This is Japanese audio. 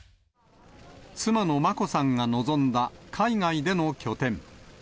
妻の眞子さんが望んだ海外での拠点。